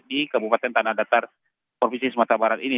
di kabupaten tanah datar provinsi sumatera barat ini